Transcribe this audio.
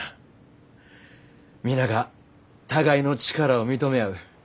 皆が互いの力を認め合う。